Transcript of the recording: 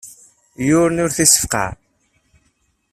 Yiwen ur as-ttseffiqeɣ.